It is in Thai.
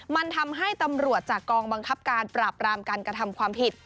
มันทำให้ตำรวจจากกองบังคับการปราบรามการกระทำความผิด